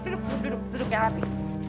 duduk duduk ya rati